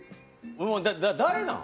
誰なん？